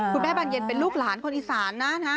คุณแม่บานเย็นเป็นลูกหลานคนอีสานนะ